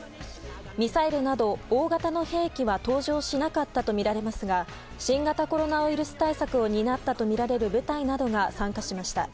ミサイルなど大型の兵器は登場しなかったとみられますが新型コロナウイルス対策を担ったとみられる部隊などが参加しました。